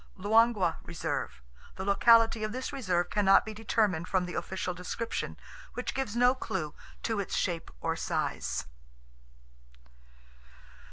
Luangwa Reserve.—The locality of this reserve cannot be determined from the official description, which gives no clue to its shape or size.